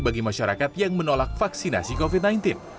bagi masyarakat yang menolak vaksinasi covid sembilan belas